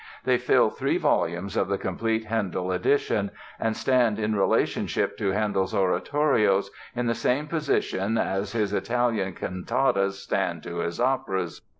They fill three volumes of the Complete Handel edition and "stand in relationship to Handel's oratorios in the same position as his Italian cantatas stand to his operas.